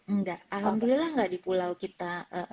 enggak alhamdulillah enggak di pulau kita